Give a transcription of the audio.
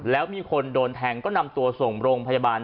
แล้วมีคนโดนแทงก็นำตัวส่งโรงพยาบาล